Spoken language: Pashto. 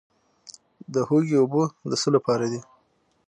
د هوږې اوبه د څه لپاره دي؟